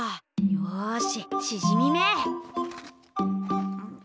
よししじみめ！